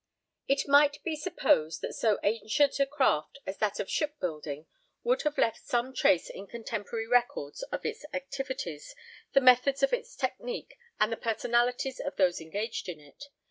_ It might be supposed that so ancient a craft as that of shipbuilding would have left some trace in contemporary records of its activities, the methods of its technique, and the personalities of those engaged in it.